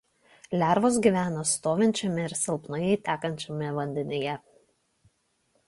Lervos gyvena stovinčiame ar silpnai tekančiame vandenyje.